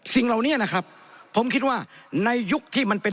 สิ่งเหล่านี้นะครับผมคิดว่าในยุคที่มันเป็น